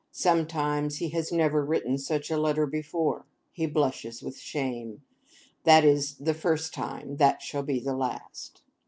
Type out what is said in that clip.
Sometimes he has never written such a letter before. He blushes with shame. That is the first time; that shall be the last.